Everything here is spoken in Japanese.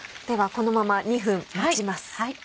このまま２分待ちます。